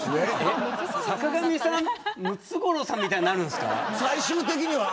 坂上さんはムツゴロウさんみたいになるんですか。